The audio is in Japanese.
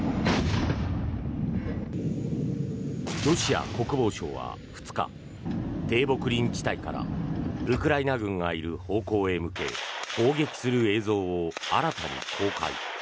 ロシア国防省は２日低木林地帯からウクライナ軍がいる方向へ向け砲撃する映像を新たに公開。